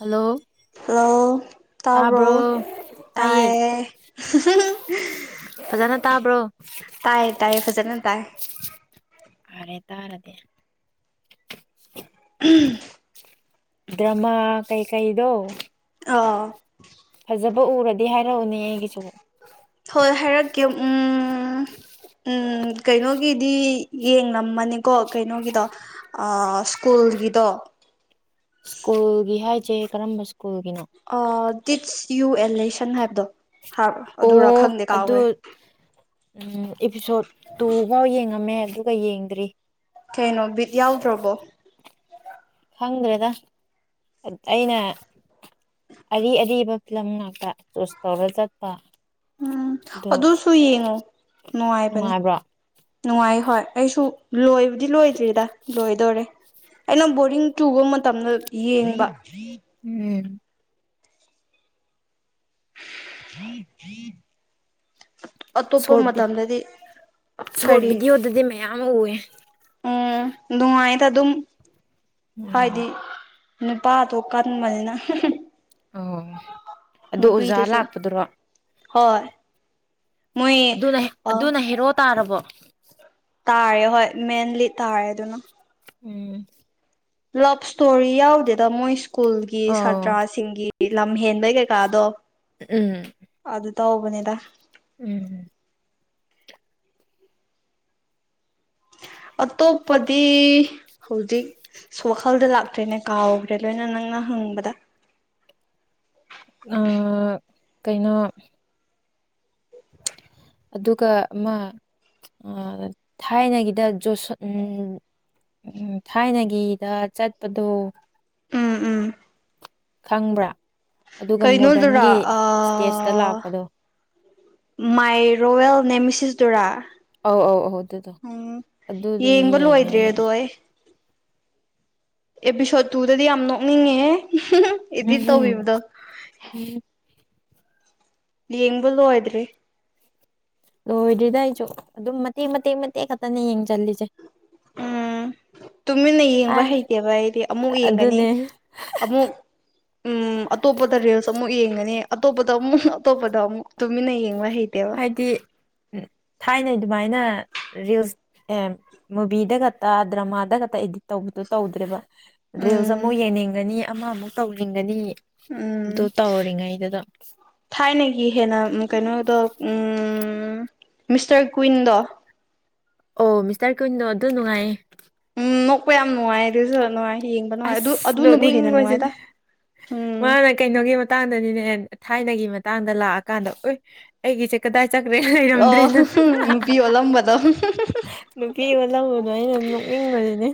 hello hello ꯇꯔꯕ꯭ꯔꯣ ꯇꯥꯕ꯭ꯔꯣ ꯇꯥꯏꯌꯦ ꯇꯥꯏ ꯐꯖꯅ ꯇꯥꯕ꯭ꯔꯣ ꯇꯥꯏ ꯑꯔꯦ ꯇꯔꯗꯤ ꯎꯝ ꯗ꯭ꯔꯃ ꯀꯩ ꯀꯩꯗꯣ ꯑꯥ ꯐꯖꯕ ꯎꯔꯗꯤ ꯍꯥꯏꯔꯛꯎꯅꯦ ꯑꯩꯒꯤꯁꯨꯕꯨ ꯍꯣꯏ ꯍꯥꯏꯔꯛꯀꯦ ꯎ ꯎꯝ ꯀꯩꯅꯣꯒꯤꯗꯤ ꯌꯦꯡꯝꯃꯅꯤꯀꯣ ꯀꯩꯅꯣꯒꯤꯗꯣ ꯁ꯭ꯀꯨꯜꯒꯤꯗꯣ ꯁ꯭ꯀꯨꯜꯒꯤ ꯍꯥꯏꯁꯦ ꯀꯔꯝꯕ ꯁ꯭ꯀꯨꯜꯒꯤꯅꯣ ꯑ ꯇ ꯇꯌꯨ ꯑꯦꯟꯂꯦꯁꯟ ꯍꯥꯏꯕꯗꯣ ꯑꯗꯨꯔꯥ ꯑꯣ ꯈꯪꯗꯦ ꯑꯗꯨ ꯀꯥꯎꯈ꯭ꯔꯦ ꯎꯝ ꯑꯦꯄꯤꯁꯣꯠ ꯇꯨꯐꯥꯎ ꯌꯦꯡꯉꯝꯃꯦ ꯑꯗꯨꯒ ꯌꯦꯡꯗ꯭ꯔꯤ ꯀꯩꯅꯣ ꯕꯤꯠ ꯌꯥꯎꯗ꯭ꯔꯕꯣ ꯈꯪꯗ꯭ꯔꯦꯗ ꯑꯩꯅ ꯑꯔꯤ ꯑꯔꯤꯕ ꯐꯤꯂꯝ ꯉꯥꯛꯇ ꯆꯨꯁ ꯇꯧꯔ ꯆꯠꯄ ꯎꯝ ꯑꯗꯨ ꯑꯗꯨꯁꯨ ꯌꯦꯡꯉꯨ ꯅꯨꯡꯉꯥꯏꯕꯅꯦ ꯅꯨꯡꯉꯥꯏꯕ꯭ꯔꯣ ꯅꯨꯡꯉꯥꯏ ꯍꯣꯏ ꯑꯩꯁꯨ ꯂꯣꯏꯕꯨꯗꯤ ꯂꯣꯏꯗ꯭ꯔꯤꯗ ꯂꯣꯏꯗꯣꯔꯦ ꯑꯩꯅ ꯕꯣꯔꯤꯡ ꯆꯨꯕ ꯃꯇꯝꯗ ꯌꯦꯡꯕ ꯎꯝ [inaudible] ꯑꯇꯣꯞꯄ ꯁꯣꯔꯠ ꯕꯤ ꯃꯇꯝꯗꯗꯤ ꯁꯣꯔꯠ ꯀꯔꯤ ꯕꯤꯗꯤꯌꯣꯗꯌꯨꯗꯤ ꯃꯌꯥ ꯌꯥꯝꯃ ꯎꯋꯦ ꯎꯝ ꯅꯨꯡꯉꯥꯏꯗ ꯑꯗꯨꯝ ꯍꯥꯏꯗꯤ [unintelligible] ꯅꯨꯄꯥꯗꯣ ꯀꯟꯕꯅꯤꯅ ꯍꯨꯡ ꯍꯨꯡ ꯑꯣ ꯑꯗꯣ ꯑꯣꯖꯥ ꯂꯥꯛꯄꯗꯨꯔꯣ ꯍꯣꯏ ꯃꯣꯏ ꯑꯗꯨꯅ ꯍꯦ ꯑ ꯑꯗꯨꯅ ꯍꯦꯔꯣ ꯇꯥꯔꯕꯣ [inaudible] ꯇꯥꯔꯦ ꯍꯣꯏ ꯃꯦꯟꯂꯤ ꯇꯥꯔꯦ ꯑꯗꯨꯅ ꯎꯝ ꯂꯕ ꯁ꯭ꯇꯣꯔꯤ ꯌꯥꯎꯗꯦꯗ ꯃꯣꯏꯁꯤ ꯀꯨꯜꯒꯤ ꯑꯣ ꯁꯥꯇ꯭ꯔꯥꯁꯤꯡꯒꯤ ꯒꯤ ꯂꯝ ꯍꯦꯟꯕꯩ ꯀꯩ ꯀꯥꯗꯣ ꯎꯝ ꯇꯧꯕꯅꯦꯗ ꯎꯝ ꯑꯇꯣꯞꯄꯗꯤ ꯍꯧꯖꯤꯛ ꯋꯥꯈꯜꯗ ꯂꯥꯛꯇ꯭ꯔꯦꯅꯦ ꯀꯥꯎꯈ꯭ꯔꯦ ꯂꯣꯏꯅ ꯅꯪꯅ ꯍꯪꯕꯗ ꯑꯥ ꯀꯩꯅꯣ ꯑꯗꯨꯒ ꯑꯃ ꯑ ꯊꯥꯏꯅꯒꯤꯗ ꯖꯣꯁ ꯎꯝ ꯎꯝ ꯊꯥꯏꯅꯒꯤꯗ ꯆꯠꯄꯗꯣ ꯎꯝ ꯎꯝ ꯈꯪꯕ꯭ꯔꯥ ꯑꯗꯨꯒ ꯀꯩꯅꯣꯗꯨꯔꯥ ꯃꯣꯔꯗꯟꯒꯤ ꯑ ꯏꯁꯇꯦꯖꯇ ꯂꯥꯛꯄꯗꯣ ꯃꯥꯏ ꯔꯣꯌꯦꯜ ꯅꯦꯃꯦꯁꯤꯁꯗꯨꯔꯥ ꯑꯧ ꯑꯧ ꯑꯧ ꯑꯗꯨꯗꯣ ꯑꯗꯨꯗꯣ ꯌꯦꯡꯕ ꯌꯦꯡꯉꯦ ꯂꯣꯏꯗ꯭ꯔꯦ ꯑꯩ ꯑꯗꯣ ꯑꯦꯄꯤꯁꯣꯠ ꯇꯨꯗꯗꯤ ꯌꯥꯝ ꯅꯣꯛꯅꯤꯡꯉꯦꯍꯦ ꯍꯨꯝ ꯍꯨꯝ ꯏꯗꯤꯠ ꯎꯝ ꯇꯧꯕꯤꯕꯗꯣ ꯌꯦꯡꯕ ꯂꯣꯏꯗ꯭ꯔꯤ ꯂꯣꯏꯗ꯭ꯔꯤꯗ ꯑꯩꯖꯨ ꯑꯗꯨꯝ ꯃꯇꯦꯛ ꯃꯇꯦꯛ ꯃꯇꯦꯛ ꯈꯛꯇꯅ ꯌꯦꯡꯖꯜꯂꯤꯖꯦ ꯎꯝ ꯇꯨꯃꯤꯟꯅ ꯌꯦꯡꯕ ꯊꯥꯏ ꯍꯩꯇꯦꯕ ꯑꯩꯗꯤ ꯑꯃꯨꯛ ꯌꯦꯡꯒꯅꯤ ꯑꯗꯨꯅꯦ ꯑꯃꯨꯛ ꯎꯝ ꯑꯇꯣꯞꯄꯗ ꯔꯤꯜꯁ ꯑꯃꯨꯛ ꯌꯦꯡꯒꯅꯤ ꯑꯇꯣꯞꯄꯗ ꯑꯃꯨꯛ ꯎꯪꯍ ꯑꯇꯣꯞꯄꯗ ꯑꯃꯨꯛ ꯇꯨꯃꯤꯟꯅ ꯌꯦꯡ ꯍꯥꯏꯗꯤ ꯎꯝ ꯊꯥꯏꯅꯩ ꯑꯗꯨꯃꯥꯏꯅ ꯔꯤꯜꯁ ꯑꯦ ꯃꯨꯚꯤꯗ ꯈꯛꯇ ꯗ꯭ꯔꯃꯥꯗ ꯈꯛꯇ ꯏꯗꯤꯠ ꯇꯧꯕꯗꯨꯣ ꯇꯧꯗ꯭ꯔꯦꯕ ꯗ꯭ꯔꯤꯜꯁ ꯎꯝ ꯑꯃꯨꯛ ꯌꯦꯡꯅꯤꯡꯒꯅꯤ ꯑꯃ ꯑꯃꯨꯛ ꯇꯧꯅꯤꯡꯒꯅꯤ ꯎꯝ ꯑꯗꯨ ꯇꯧꯔꯤꯉꯩꯗꯨꯗ ꯊꯥꯏꯅꯒꯤ ꯍꯦꯟꯅ ꯀꯩꯅꯣꯗꯣ ꯎꯝ ꯃꯤꯁꯇꯔ ꯀꯨꯏꯟꯗꯣ ꯑꯣ ꯃꯤꯁꯇꯔ ꯀꯨꯏꯟꯗꯣ ꯑꯗꯨ ꯅꯨꯡꯉꯥꯏꯌꯦ ꯎꯝ ꯅꯣꯛꯄ ꯌꯥꯝ ꯅꯨꯡꯉꯥꯏ ꯑꯗꯨꯁꯨ ꯅꯨꯡꯉꯥꯏ ꯌꯦꯡꯕ ꯅꯨꯡꯉꯥꯏ ꯑꯗꯨ ꯑꯁ ꯑꯗꯨꯅꯕꯨ ꯍꯦꯟꯅ ꯅꯣꯛꯅꯤꯡꯉꯁꯤꯅꯦ ꯅꯨꯡꯉꯥꯏꯗ ꯎꯝ ꯃꯥꯅ ꯀꯩꯅꯣꯒꯤ ꯃꯇꯥꯡꯗꯅꯤꯅꯦ ꯊꯥꯏꯅꯒꯤ ꯃꯇꯥꯡꯗ ꯂꯥꯛꯑꯀꯥꯟꯗ ꯑꯣ ꯑꯩꯒꯤꯁꯦ ꯀꯗꯥꯏ ꯆꯀ꯭ꯔꯦ ꯂꯩꯔꯝꯗ꯭ꯔꯦ ꯑꯣ ꯅ ꯅꯨꯄꯤ ꯑꯣꯜꯂꯝꯕꯗꯣ ꯅꯨꯄꯤ ꯑꯃ ꯂꯧꯕꯗꯣ ꯑꯩꯅ ꯑꯗꯨꯝ ꯅꯣꯛꯅꯤꯡꯕꯕꯁꯤꯅꯦ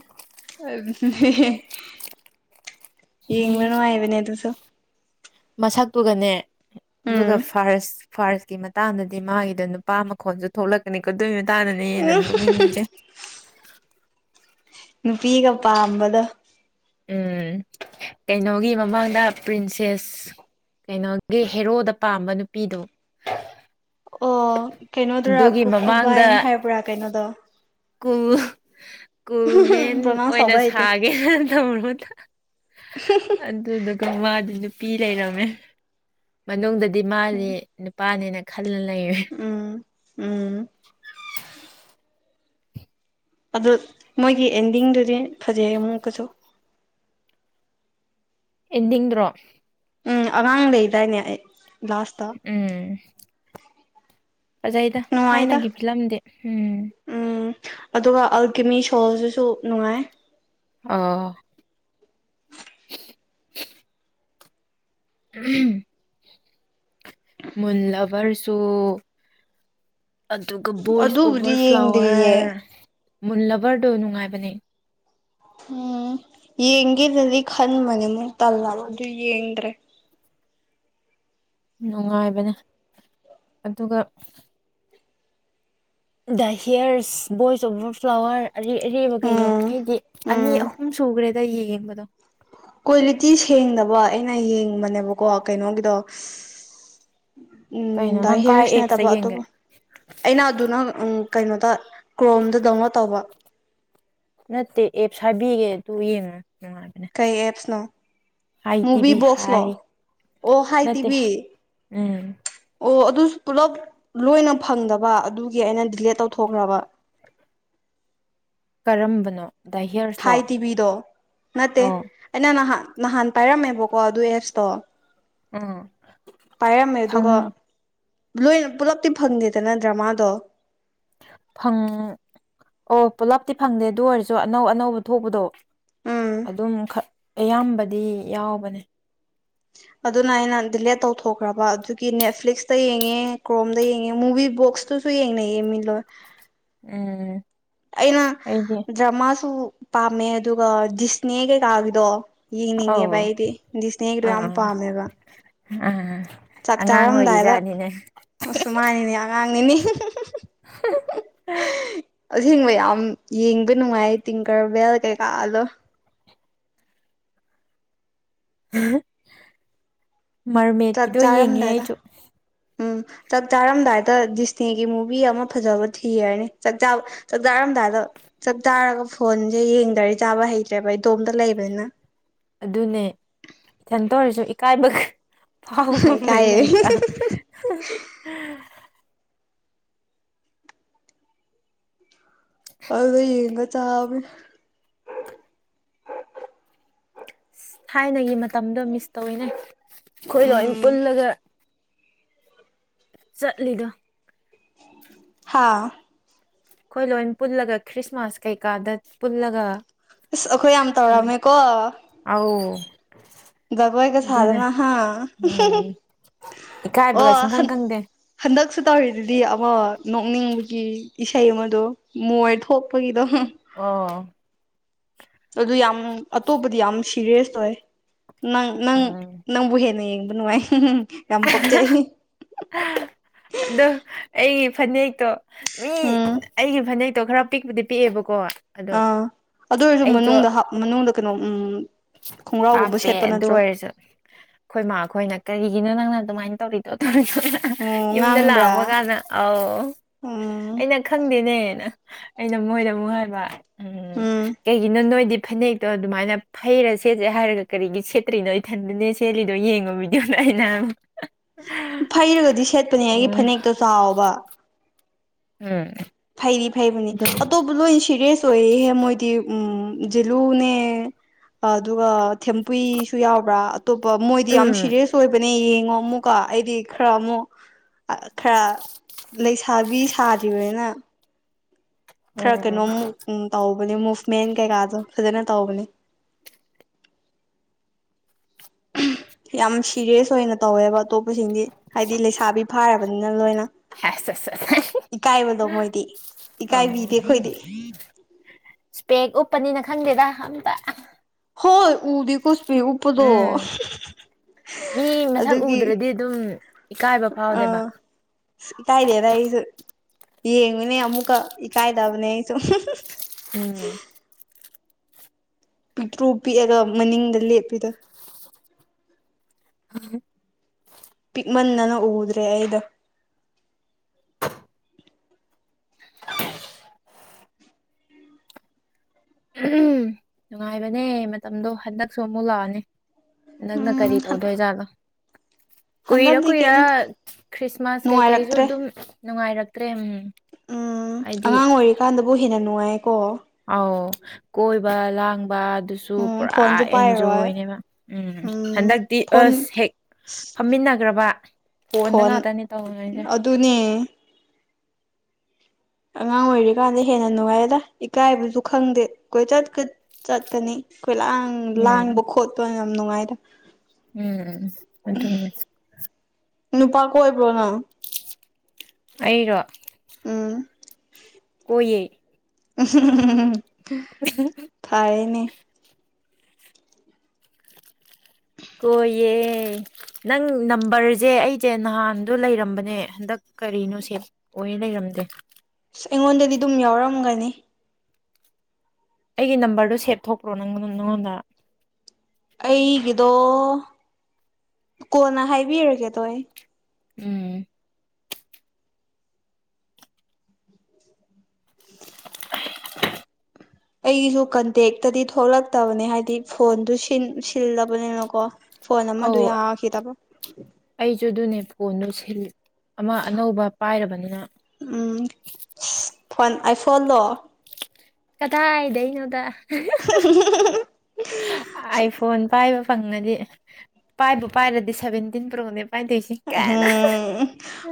[unintelligible] ꯌꯦꯡꯕ ꯅꯨꯡꯉꯥꯏꯕꯅꯦ ꯑꯗꯨꯁꯨ ꯃꯁꯛꯇꯨꯒꯅꯦ ꯑꯗꯨꯒ ꯎꯝ ꯐꯥꯔꯁ ꯐꯥꯔꯁꯀꯤ ꯃꯇꯥꯡꯗꯗꯤ ꯃꯥꯒꯤꯗꯣ ꯅꯨꯄꯥ ꯃꯈꯣꯟꯁꯨ ꯊꯣꯛꯂꯛꯀꯅꯤ ꯀꯗꯣꯏ ꯇꯥꯅꯅꯦ ꯍꯦꯟꯅ ꯅꯣꯛꯅꯤꯡꯁꯦ ꯅꯨꯄꯤꯒ ꯄꯥꯝꯕꯗꯣ ꯎꯝ ꯀꯩꯅꯣꯒꯤ ꯃꯃꯥꯡꯗ ꯄ꯭ꯔꯤꯟꯁꯦꯁ ꯀꯩꯅꯣꯒꯤ ꯍꯦꯔꯣꯗ ꯄꯥꯝꯕ ꯅꯨꯄꯤꯗꯣ ꯑꯣ ꯀꯩꯅꯣꯗꯨꯔꯥ ꯑꯗꯨꯒꯤ ꯀꯀꯨꯕꯥ ꯍꯥꯏꯕ꯭ꯔꯥ ꯀꯩꯅꯣꯗꯣ ꯀ ꯁ꯭ꯀꯨꯜ ꯃꯦꯟ ꯄ꯭ꯔꯣꯅꯥꯎꯟꯁ ꯑꯣꯏꯅ ꯇꯧꯕ ꯍꯩꯇꯦ ꯁꯥꯒꯦꯅ ꯇꯧꯔ [unintelligible] ꯑꯗ ꯑꯗꯨꯒ ꯃꯥ ꯑꯗꯨꯅ ꯅꯨ ꯄꯄꯤ ꯂꯩꯔꯝꯃꯦ ꯃꯅꯨꯡꯗ ꯗꯤ ꯃꯥꯅꯤ ꯅꯨꯄꯥꯅꯤꯅ ꯊꯜꯂ ꯂꯩ ꯎꯝ ꯎꯝ ꯑꯗꯨ ꯃꯣꯏꯒꯤ ꯑꯦꯟꯗꯤꯡꯗꯨꯗꯤ ꯐꯖꯩꯌꯦ ꯑꯃꯨꯛꯀꯁꯨ ꯑꯦꯟꯗ꯭ꯔꯣ ꯎꯝ ꯑꯉꯥꯡ ꯂꯩꯗꯥꯏꯅꯦ ꯑꯩ ꯂꯥꯁꯇ ꯎꯝ ꯐꯖꯩꯗ ꯅꯨꯡꯉꯥꯏꯗ ꯊꯥꯏꯅꯒꯤ ꯐꯤꯂꯝꯗꯤ ꯎꯝ ꯎꯝ ꯑꯗꯨꯒ ꯑꯜꯀꯤꯃꯤ ꯁꯣꯜꯗꯨꯁꯨ ꯅꯨꯡꯉꯥꯏ ꯑꯥ ꯎꯝ ꯃꯜꯂꯕꯔꯁꯨ ꯑꯗꯨꯒ ꯕꯣꯏꯁ ꯑꯗꯨꯕꯨꯗꯤ ꯑꯣꯚꯔ ꯌꯦꯡꯗ꯭ꯔꯤꯌꯦ ꯐ꯭ꯂꯥꯋꯔ ꯃꯨꯜꯂꯕꯔꯗꯣ ꯅꯨꯡꯉꯥꯏꯕꯅꯤ ꯎꯝ ꯌꯦꯡꯒꯗꯗꯤ ꯈꯟꯕꯅꯦ ꯃꯨ ꯇꯜꯂ ꯑꯗꯨ ꯌꯦꯡꯗ꯭ꯔꯦ ꯅꯨꯡꯉꯥꯏꯕꯅꯦ ꯑꯗꯨꯒ ꯗ ꯍꯦꯌꯔꯁ ꯣꯏꯁ ꯑꯣꯐ ꯐ꯭ꯂꯥꯋꯔ ꯑ ꯑꯔꯦꯕ ꯀꯩꯗꯣ ꯎꯝ ꯑꯩꯗꯤ ꯑꯅꯤ ꯎꯝ ꯑꯍꯨꯝ ꯁꯨꯈ꯭ꯔꯦꯗ ꯌꯦꯡꯕꯗꯣ ꯀ꯭ꯋꯥꯂꯤꯇꯤ ꯁꯦꯡꯅꯕ ꯑꯩꯅ ꯌꯦꯡꯕꯅꯦꯕꯀꯣ ꯀꯩꯅꯣꯒꯤꯗꯣ ꯎꯝ ꯀꯩꯅꯣ ꯗꯥꯏ ꯅꯪ ꯀꯥꯏ ꯑꯦꯞꯁꯇ ꯍꯌꯔꯁꯅꯦꯠꯇꯕ ꯌꯦꯡꯒꯦ ꯑꯇꯣꯞꯄ ꯑꯩꯅ ꯑꯗꯨꯅ ꯎꯝ ꯀꯩꯅꯣꯗ ꯀ꯭ꯔꯣꯝꯗꯗꯧꯉꯣ ꯇꯧꯕ ꯅꯠꯇꯦ ꯑꯦꯞꯁ ꯍꯥꯏꯕꯤꯒꯦ ꯑꯗꯨ ꯌꯦꯡꯉꯨ ꯀꯩ ꯑꯦꯞꯁꯅꯣ ꯍꯥꯏ ꯇꯤꯚꯤ ꯃꯨꯚꯤꯕꯣꯛꯁꯂꯣ ꯍꯥꯏ ꯑꯣ ꯍꯥꯏ ꯅꯠꯇꯦ ꯇꯤꯕꯤ ꯎꯝ ꯑꯣ ꯑꯗꯨꯁꯨ ꯄꯨꯂꯞ ꯂꯣꯏꯅ ꯐꯪꯗꯕ ꯑꯗꯨꯒꯤ ꯑꯩꯅ ꯗꯤꯂꯦꯠ ꯇꯧꯊꯣꯛꯈ꯭ꯔꯕ ꯀꯔꯝꯕꯅꯣ ꯗ ꯍꯤꯌꯔꯁꯂꯣ ꯍꯥꯏꯥꯏ ꯇꯤꯕꯤꯗꯣ ꯅꯠꯇꯦ ꯑꯧ ꯑꯩꯅ ꯅ ꯍꯥ ꯅꯍꯥꯟ ꯄꯥꯏꯔꯝꯃꯦꯕꯀꯣ ꯑꯗꯨ ꯑꯦꯞꯁꯇꯣ ꯎ ꯄꯔꯝꯃꯦꯗꯨꯒ ꯂꯣꯏꯅ ꯄꯨꯂꯞꯇꯤ ꯐꯪꯗꯦꯗꯅ ꯗ꯭ꯔꯃꯥꯗꯣ ꯪ ꯑꯣ ꯄꯨꯂꯞꯇꯤ ꯐꯪꯗꯦ ꯑꯗꯨ ꯑꯣꯏꯔꯁꯨ ꯑꯅꯧ ꯑꯅꯧꯕ ꯊꯣꯛꯄꯗꯣ ꯎꯝ ꯑꯗꯨꯝ ꯑꯌꯥꯝꯕꯗꯤ ꯌꯥꯎꯕꯅꯦ ꯑꯗꯨꯅ ꯑꯩꯅ ꯗꯤꯂꯦꯠ ꯇꯧꯊꯣꯛꯈ꯭ꯔꯕ ꯑꯗꯨꯒꯤ ꯅꯦꯠꯐ꯭ꯂꯤꯛꯁꯇ ꯌꯦꯡꯉꯦ ꯀ꯭ꯔꯣꯝꯗ ꯌꯦꯡꯉꯦ ꯃꯨꯚꯤ ꯕꯣꯛꯁꯇꯨꯁꯨ ꯌꯦꯡꯅꯩꯌꯦꯡꯃꯤꯂꯣꯏ ꯎꯝ ꯑꯩꯅ ꯑꯩꯗꯤ ꯗ꯭ꯔꯃꯥꯁꯨ ꯄꯥꯝꯃꯦ ꯑꯗꯨꯒ ꯖꯤꯁꯅꯦ ꯀꯩꯀꯥꯒꯤꯗꯣ ꯑꯧ ꯌꯦꯡꯅꯤꯡꯉꯦꯕ ꯑꯩꯗꯤꯗꯤ ꯏꯁꯅꯦꯗꯣ ꯌꯥꯝ ꯄꯥꯝꯃꯦꯕ ꯑ ꯆꯥꯛ ꯆꯥꯔꯝꯗꯥꯏꯗ ꯃꯁꯨꯃꯥꯏꯅꯤꯅꯦ ꯑꯉꯥꯡ ꯅꯪꯅꯤꯅꯦ [unintelligible] ꯑꯁꯦꯡꯕ ꯌꯥꯝ ꯌꯦꯡꯕ ꯅꯨꯡꯉꯥꯏ ꯇꯤꯡ ꯀꯔ ꯕꯦꯜ ꯀꯩꯀꯥꯂꯣ ꯍꯥ ꯆꯥꯛ ꯃꯥꯔꯃꯦꯠꯀꯤꯗꯣ ꯌꯦꯡꯉꯦ ꯆꯥꯔꯝꯗꯥꯏꯗ ꯑꯩꯁꯨ ꯎꯝ ꯆꯥꯛ ꯆꯥꯔꯝꯗꯥꯏꯗ ꯗꯤꯁꯅꯦꯒꯤ ꯃꯨꯚꯤ ꯑꯃ ꯐꯖꯕ ꯊꯤꯔꯔꯅꯤ ꯆꯥꯛ ꯆꯥꯔꯝꯗꯥꯏꯗ ꯆꯥꯛ ꯆꯥꯔꯒ ꯐꯣꯟꯁꯦ ꯌꯦꯡꯗꯔ ꯆꯥꯕ ꯍꯩꯇ꯭ꯔꯦꯕ ꯑꯩ ꯏꯗꯣꯝꯇ ꯂꯩꯕꯅꯤꯅ ꯑꯗꯨꯅꯦ ꯏꯊꯟꯇ ꯑꯣꯏꯔꯁꯨ ꯏꯀꯥꯏꯕ ꯄꯥꯎ ꯐ ꯏꯀꯥꯏꯌꯦ ꯃꯏꯇꯥ ꯑꯗꯨꯗ ꯌꯦꯡꯒ ꯆꯥꯕ ꯊꯥꯏꯅ ꯃ ꯃꯇꯝꯗꯣ ꯃꯤꯁ ꯇꯧꯏꯤꯅꯦ ꯑꯩꯈꯣꯏ ꯂꯣꯝ ꯎꯝ ꯄꯨꯜꯂꯒ ꯆꯠꯂ ꯍꯎ ꯑꯩꯈꯣꯏ ꯂꯣꯏ ꯄꯨꯜꯂꯒ ꯈ꯭ꯔꯤꯁꯃꯥꯁ ꯀꯩꯀꯥꯗ ꯄꯨꯜꯂꯒ ꯑꯁ ꯑꯩꯈꯣꯏ ꯌꯥꯝ ꯑꯗꯨꯝ ꯇꯧꯔꯝꯃꯦꯀꯣ ꯑꯧ ꯖꯒꯣꯏꯒ ꯑꯗꯨꯅꯦ ꯁꯥꯗꯅ ꯍꯥ ꯎꯝ ꯑꯣ ꯏꯀꯥꯏꯕꯒ ꯁꯨꯡꯈꯪ ꯍꯟ ꯈꯪꯗꯦ ꯍꯟꯗꯛ ꯁ ꯇꯧꯔꯤꯗꯨꯗꯤ ꯑꯃ ꯅꯣꯛꯅꯤꯡꯕꯒꯤ ꯏꯁꯩ ꯑꯃꯗꯣ ꯃꯣꯏ ꯊꯣꯛꯄꯒꯤꯗꯣ ꯑꯣ ꯑꯗꯨ ꯌꯥꯝ ꯑꯇꯣꯞꯄꯗꯤ ꯌꯥꯝ ꯁꯤꯦꯔꯤꯌꯁ ꯑꯣꯏ ꯅꯪ ꯅꯪ ꯎꯝ ꯅꯪꯕꯨ ꯍꯦꯅꯦ ꯌꯦ ꯟꯥꯏ ꯑꯗꯣ ꯑꯩ ꯐꯅꯦꯛ ꯑꯩꯛꯇꯣ ꯃꯤ ꯎꯝ ꯑꯩꯒꯤ ꯐꯅꯦꯛ ꯣ ꯈꯔ ꯄꯤꯛꯄꯗꯤ ꯄꯤꯛꯑꯦꯕꯀꯣ ꯑꯗꯣ ꯑꯥ ꯑꯗꯨ ꯑꯣꯏꯔꯁꯨ ꯑꯩꯁꯨ ꯃꯅꯨꯡꯗ ꯍꯥꯞ ꯃꯅꯨꯡꯗ ꯀꯩꯅꯣ ꯎꯝ ꯈꯣꯡꯒ꯭ꯔꯥꯎꯒꯨꯝꯕ ꯍꯥꯞꯄꯦ ꯁꯦꯠꯄ ꯑꯗꯨ ꯅꯠꯇ꯭ꯔꯣ ꯑꯣꯏꯔꯁꯨ ꯑꯩꯈꯣꯏꯃꯣꯏꯅ ꯀꯔꯤ ꯅꯪꯅ ꯑꯗꯨꯃꯥꯏ ꯇꯧꯔꯤꯗꯣꯧ ꯑꯣ ꯌꯨꯝꯗ ꯉꯥꯡꯕ꯭ꯔꯥ ꯂꯥꯛꯑꯕ ꯀꯥꯟꯗ ꯑꯥꯎ ꯎꯝ ꯑꯩꯅ ꯈꯪꯗꯦꯅꯦꯅ ꯑꯩꯅ ꯃꯣꯏꯗ ꯑꯃꯨꯛ ꯍꯥꯏꯕ ꯎꯝ ꯀꯩꯒꯤꯅꯣ ꯅꯣꯏꯗꯤ ꯐꯅꯦꯛꯇꯣ ꯑꯗꯨꯃꯥꯏꯅ ꯐꯩꯔ ꯁꯦꯠꯁꯦ ꯍꯥꯏꯔꯒ ꯀꯔꯤꯒꯤ ꯁꯦꯠꯇ꯭ꯔꯤꯅꯣ ꯏꯊꯟꯗꯅꯦ ꯁꯦꯠꯂꯤꯗꯣ ꯌꯦꯡꯉꯨ ꯃꯤꯗꯤ ꯑꯥꯏꯅ ꯐꯩꯔꯒꯗꯤ ꯁꯦꯠꯄꯅꯦ ꯑꯩꯒꯤ ꯎꯝ ꯐꯅꯦꯛꯇꯣ ꯆꯥꯎꯕ ꯎꯝ ꯐꯩꯔꯤ ꯐꯩꯕꯅꯤ ꯑꯇꯣꯞꯄ ꯂꯣꯏꯅ ꯁꯤꯔꯤꯁ ꯇꯣꯏꯍꯦ ꯃꯣꯏꯗꯤ ꯎꯝ ꯖꯤꯂꯨꯅꯦ ꯑꯗꯨꯒ ꯊꯦꯝꯄꯁꯨ ꯌꯥꯎꯕ꯭ꯔꯥ ꯑꯇꯣꯞꯄ ꯃꯣꯏꯗꯤ ꯌꯥꯝ ꯎꯝ ꯁꯤꯔꯤꯌꯁ ꯑꯣꯏꯕꯅꯦ ꯌꯦꯡꯉꯣ ꯑꯃꯨꯛꯀꯣ ꯑꯩꯗꯤ ꯈꯔ ꯑꯃꯨꯛ ꯈꯔ ꯂꯩꯁꯥꯕꯤ ꯁꯥꯗ꯭ꯔꯤꯕꯅꯤꯅ ꯈꯔ ꯎꯝ ꯀꯩꯅꯣꯝ ꯇꯧ ꯃꯨꯚꯃꯦꯟ ꯀꯩꯀꯥꯗꯣ ꯐꯖꯅ ꯇꯧꯕꯅꯤ ꯌꯥꯝ ꯁꯤꯔꯤꯌꯁ ꯑꯣꯏꯅ ꯇꯧꯋꯦꯕ ꯑꯇꯣꯞꯄꯁꯤꯡꯁꯤ ꯍꯥꯏꯗꯤ ꯂꯩꯁꯥꯕꯤ ꯐꯥꯔꯕ ꯑꯩꯅ ꯍꯦꯁ ꯍꯦꯁ ꯍꯦꯁ ꯏꯀꯥꯏꯕꯗꯣ ꯃꯣꯏꯗꯤ ꯑꯣ ꯏꯀꯥꯏꯕꯤꯗꯦ ꯑꯩꯈꯣꯏꯗꯤ ꯏꯁꯄꯦꯛ ꯎꯞꯄꯅꯤꯅ ꯈꯪꯗꯦꯗ ꯑꯝꯇ ꯍꯣꯏ ꯎꯕꯤ ꯀ ꯄꯤ ꯎꯞꯄꯗꯣ ꯎꯝ ꯃꯤ ꯃꯁꯛ ꯑꯗꯨꯒꯤ ꯎꯗ꯭ꯔꯗꯤ ꯑꯗꯨꯝ ꯏꯀꯥꯏꯕ ꯑ ꯐꯥꯎꯗꯦꯕ ꯏꯀꯥꯏꯗꯦꯅ ꯑꯩꯁꯨ ꯌꯦꯡꯉꯨꯅꯦ ꯑꯃꯨꯛꯀ ꯏꯀꯥꯏꯗꯕꯅꯦ ꯑꯩ ꯁꯨꯝ ꯍꯝ ꯄꯤꯛꯇ꯭ꯔꯨ ꯄꯤꯛꯑꯒ ꯃꯅꯤꯡꯗ ꯂꯦꯞꯄꯤꯗ ꯍ ꯄꯤꯛꯃꯟꯅꯅ ꯎꯗ꯭ꯔꯦ ꯑꯩꯗ [inaudible] ꯅꯨꯡꯉꯥꯏꯕꯅꯦ ꯃꯇꯝꯗꯣ ꯍꯟꯗꯛꯁꯨ ꯑꯃꯨꯛ ꯂꯥꯛꯑꯅꯤ ꯅꯪꯅ ꯀꯔꯤ ꯎꯝ ꯇꯧꯗꯣꯏ ꯖꯥꯠꯂꯣ ꯀꯨꯏꯔ ꯍꯟꯗꯛꯇꯤ ꯀꯨꯏꯔ ꯀꯩꯝ ꯈ꯭ꯔꯤꯁꯃꯥꯁ ꯀꯩꯀꯩꯁꯨ ꯅꯨꯡꯉꯥꯏꯔꯛꯇ꯭ꯔꯦ ꯑꯗꯨꯝ ꯅꯨꯡꯉꯥꯏꯔꯛꯇꯦ ꯀ꯭ꯔꯦꯝ ꯎꯝ ꯑꯉꯥꯡ ꯑꯣꯏꯔꯤꯀꯥꯟꯗꯕꯨ ꯍꯦꯟꯅ ꯅꯨꯡꯉꯥꯏꯀꯣ ꯑꯥꯎ ꯀꯣꯏꯕ ꯂ ꯑꯗꯨꯁꯨ ꯎꯝ ꯄꯨꯔꯥ ꯐꯣꯟꯁꯨ ꯄꯥꯏꯔꯣꯏ ꯑꯦꯟꯖꯣꯏꯅꯦꯕ ꯎꯝ ꯍꯟꯗꯛꯇꯤ ꯑꯁ ꯍꯦꯛ ꯐꯝꯃꯤꯟꯅꯈ꯭ꯔꯕ ꯍꯣꯟꯗ ꯐꯣꯟ ꯉꯥꯛꯇꯅꯤ ꯇꯧꯉꯩꯁꯦ ꯑꯗꯨꯅꯦ ꯑꯉꯥꯡ ꯑꯣꯏꯔꯤꯀꯥꯟꯗ ꯍꯦꯟꯅ ꯅꯨꯡꯉꯥꯏꯌꯦꯗ ꯏꯀꯥꯏꯕꯁꯨ ꯈꯪꯗꯦ ꯑꯩꯈꯣꯏ ꯆꯠꯀꯅꯤ ꯑꯩꯈꯣꯏ ꯂꯥꯡ ꯎꯝ ꯂꯥꯡꯕ ꯈꯣꯠꯄ ꯌꯥꯝ ꯅꯨꯡꯉꯥꯏꯔꯦ ꯎꯝ ꯑꯗꯨ ꯅꯨꯄꯥ ꯀꯣꯏꯕ꯭ꯔꯣꯅ ꯑꯩꯔꯣ [inaudible] ꯑꯩꯏ ꯎ ꯊꯥꯏꯅꯦ ꯀꯣꯏꯌꯦ ꯅꯪ ꯅꯝꯕꯔꯁꯦ ꯑꯩꯁꯦ ꯅꯍꯥꯟꯗꯣ ꯂꯩꯔꯝꯕꯅꯦ ꯍꯟꯗꯛ ꯀꯔꯤꯅꯣ ꯁꯦꯞ ꯑꯣꯏꯅ ꯂꯩꯔꯝꯗꯦ ꯑꯁ ꯑꯩꯉꯣꯟꯗꯗꯤ ꯑꯗꯨꯝ ꯌꯥꯎꯔꯝꯒꯅꯤ ꯑꯩꯒꯤ ꯅꯝꯕꯔꯗꯨꯣ ꯁꯦꯞ ꯊꯣꯛꯄ꯭ꯔꯣ ꯅꯪ ꯅꯪꯉꯣꯟꯗ ꯑꯩꯒꯤꯗꯣ ꯀꯣꯟꯅ ꯍꯥꯏꯕꯤꯔꯒꯦ ꯇ ꯑꯩ ꯎꯝ ꯑꯩꯒꯤꯁꯨ ꯀꯟꯇꯦꯛꯇꯗꯤ ꯊꯣꯛꯂꯛꯇꯕꯅꯦ ꯍꯥꯏꯕꯗꯤ ꯐꯣꯟꯗꯨ ꯁꯤꯜꯂꯕꯅꯤꯅꯀꯣ ꯐꯣꯟ ꯑꯃꯗ ꯌꯥꯈꯤꯗꯕꯣ ꯆꯨ ꯑꯗꯨꯅꯦ ꯐꯣꯟꯗꯣ ꯁꯤꯜꯜꯂꯤ ꯑꯃ ꯑꯅꯧꯕ ꯄꯥꯏꯔꯕꯅꯤꯅ ꯑꯥꯏꯁꯣꯟꯂꯣ ꯀꯥꯏꯗꯥꯏꯅꯣꯅꯣꯗ [unintelligible] ꯑꯥꯏꯐꯣꯟ ꯄꯥꯏ ꯐꯪꯉꯗꯤ ꯄꯥꯏꯕꯨ ꯄꯥꯏꯔꯗꯤ ꯁꯚꯦꯟꯇꯤꯟ ꯄꯨꯔꯛꯅꯦ ꯀꯥꯏꯁꯤ ꯀꯥꯏꯅ ꯎꯝ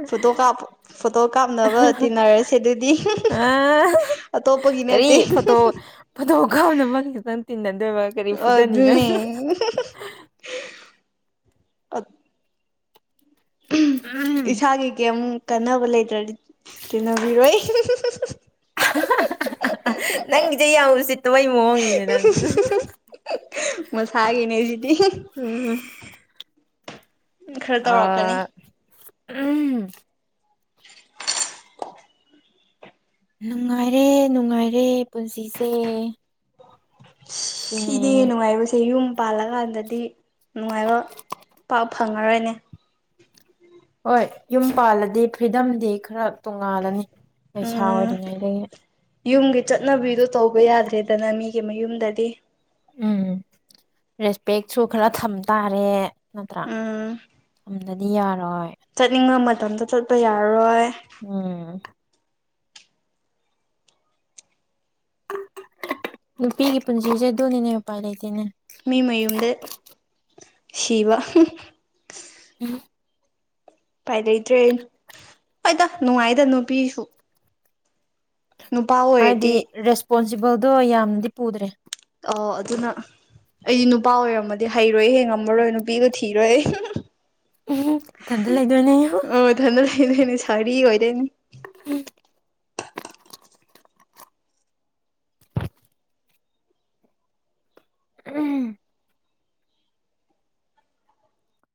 ꯐꯣꯇꯣ ꯀꯥꯞ ꯐꯣꯇꯣ ꯀꯥꯞꯅꯕ ꯇꯤꯟꯅꯔꯁꯦ ꯑꯗꯨꯗꯤ ꯑ ꯑꯇꯣꯞꯄꯒꯤ ꯀꯔꯤ ꯅꯠꯇꯦ ꯐꯣꯇꯣ ꯐꯣꯇꯣ ꯀꯞꯅ ꯑꯃ ꯈꯤꯖꯤꯇꯪ ꯇꯤꯟꯅꯗꯣꯏꯕ ꯀꯔꯤ ꯐꯨꯗꯅꯤꯅꯣ ꯑꯗꯨꯅꯦ ꯑꯣ ꯎꯝ ꯏꯁꯥꯒꯤ ꯀꯦꯝ ꯀꯥꯟꯅꯕ ꯂꯩꯇ꯭ꯔꯗꯤ ꯇꯤꯟꯅꯕꯤꯔꯣꯏ ꯅꯪꯒꯤꯁꯦ ꯌꯥꯝꯁꯤꯠꯇꯕꯩ ꯃꯑꯣꯡꯒꯤꯅꯦꯦ ꯅꯪ ꯃꯁꯥꯒꯤꯅꯦ ꯁꯤꯗꯤ ꯎꯝ ꯈꯔ ꯇꯧꯔꯛꯀꯅꯤ ꯑ ꯎꯝ [unintelligible] ꯅꯨꯡꯉꯥꯏꯔꯦ ꯅꯨꯡꯉꯥꯏꯔꯦ ꯄꯨꯟꯁꯤꯁꯦ ꯁꯤꯅꯤ ꯁꯤꯅꯦ ꯅꯨꯡꯉꯥꯏꯕꯁꯦ ꯌꯨꯝ ꯄꯥꯜꯂꯀꯥꯟꯗꯗꯤ ꯅꯨꯡꯉꯥꯏꯕ ꯄꯥꯛ ꯐꯪꯉꯔꯣꯏꯅꯦ ꯍꯣꯏ ꯌꯨꯝ ꯄꯥꯜꯂꯗꯤ ꯐ꯭ꯔꯤꯗꯝꯗꯤ ꯈꯔ ꯇꯣꯡꯉꯥꯜꯂꯅꯤ ꯂꯩꯁꯥ ꯎꯝ ꯑꯣꯏꯔꯤꯉꯩꯗꯒꯤ ꯌꯨꯝꯒꯤ ꯆꯠꯅꯕꯤꯗꯣ ꯇꯧꯕ ꯌꯥꯗ꯭ꯔꯦꯗꯅ ꯃꯤꯒꯤ ꯃꯌꯨꯝꯗꯗꯤ ꯎꯝ ꯔꯦꯁꯄꯦꯛꯁꯨ ꯈꯔ ꯊꯝ ꯇꯥꯔꯦ ꯅꯠꯇ꯭ꯔꯥ ꯊꯝ ꯑꯗꯨꯗꯤꯌꯥ ꯆꯠꯉ ꯃ ꯃꯇꯝꯗ ꯆꯠꯄ ꯌꯥꯔꯔꯣꯏ ꯎꯝ ꯅꯨꯄꯤꯒꯤ ꯄꯨꯟꯁꯤꯁꯦ ꯑꯗꯨꯣꯅꯤꯅꯦ ꯎꯄꯥꯏ ꯂꯩꯇꯦꯅꯦ ꯃꯤ ꯃꯌꯨꯝꯗ ꯁꯤꯕ [unintelligible] ꯄꯥꯏ ꯂꯩꯇ꯭ꯔꯦꯣ ꯍꯗ ꯅꯨꯡꯉꯥꯏꯗ ꯅꯨꯄꯤꯁꯨ ꯅꯨꯄꯥ ꯍꯥꯏꯗꯤ ꯑꯣꯏꯔꯗꯤ ꯔꯦꯁꯄꯣꯟꯁ ꯖꯤꯕꯧꯗꯣ ꯌꯥꯝꯅꯗꯤ ꯄꯨꯗ꯭ꯔꯦ ꯑ ꯑꯗꯨꯅ ꯑꯩꯗꯤ ꯅꯨꯄꯥ ꯑꯣꯏꯔꯝꯃꯗꯤ ꯍꯩꯔꯣꯏ ꯍꯦꯡꯉꯝꯃꯔꯣꯏ ꯅꯨꯄꯤꯒ ꯊꯤꯔꯣꯏ ꯏꯊꯟꯇ ꯂꯩꯗꯣꯏꯅꯦ ꯑꯣ ꯊꯗ ꯂꯩꯗꯅꯦ ꯁꯔꯤ ꯑꯣꯏ ꯑꯗꯨꯅꯤ ꯎꯝ ꯎꯝ